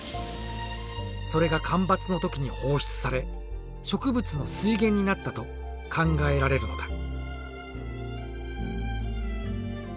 それが干ばつの時に放出され植物の水源になったと考えられるのだ。